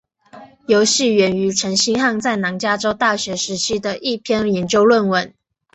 游戏源于陈星汉在南加州大学时期的一篇研究论文。